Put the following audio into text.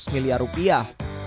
seratus miliar rupiah